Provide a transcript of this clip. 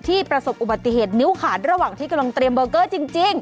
ประสบอุบัติเหตุนิ้วขาดระหว่างที่กำลังเตรียมเบอร์เกอร์จริง